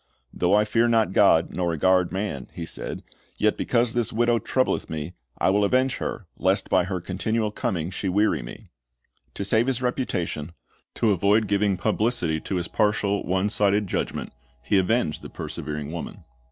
"Though I fear not God, nor regard man," he said, "yet because this widow troubleth me, I will avenge her, lest by her continual coming she weary me." To save his reputation,' to avoid giving publicity to his partial, one sided judgment, he avenged the persevering woman.